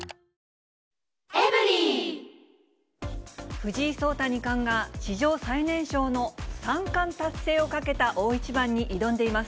藤井聡太二冠が、史上最年少の三冠達成をかけた大一番に挑んでいます。